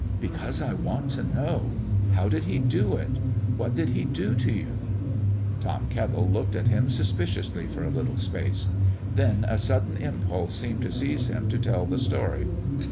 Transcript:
"Because I want to know. How did He do it? What did He do to you?" Tom Kettle looked at him suspiciously for a little space. Then a sudden impulse seemed to seize him to tell the story.